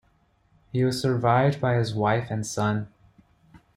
He was survived by his wife and son.